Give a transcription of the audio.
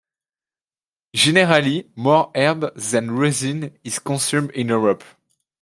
Generally, more herb than resin is consumed in Europe.